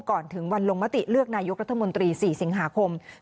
ก่อนถึงวันลงมติเลือกนายกรัฐมนตรี๔สิงหาคม